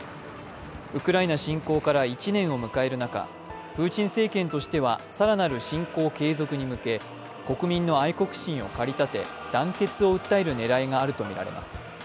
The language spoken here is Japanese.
ウクライナ侵攻から１年を迎える中プーチン政権としては更なる侵攻継続に向け、国民の愛国心を駆り立て団結を訴える狙いがあるとみられます。